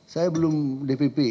saya belum dpp